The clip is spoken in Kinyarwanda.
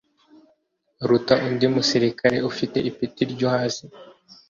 Aruta undi musirikare ufite ipeti ryo hasi